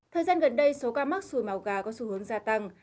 thời gian gần đây số ca mắc xùi màu gà có xu hướng gia tăng